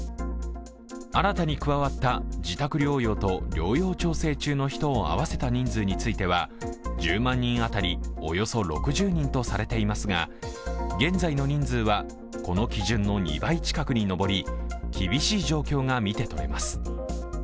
新たに加わった自宅療養と療養調整中の人を合わせた人数については１０万人当たりおよそ６０人とされていますが、現在の人数は、この基準の２倍近くに上り厳しい状況が見てとれます。